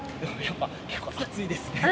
結構暑いですね。